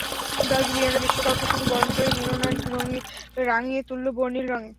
ব্রাজিলিয়ানরা বিশ্বকাপকে শুধু বরণ করেই নিল না, রাঙিয়ে তুলল বর্ণিল রঙে।